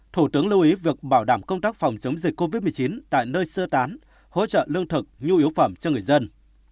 thủ tướng lưu ý việc bảo đảm công tác phòng chống dịch covid một mươi chín tại nơi sơ tán hỗ trợ lương thực nhu yếu phẩm cho người dân